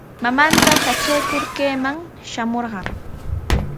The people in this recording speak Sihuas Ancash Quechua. Mamanta katraykur kayman shamurqan.